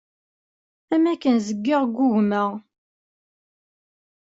Am akken zgiɣ ggugmeɣ.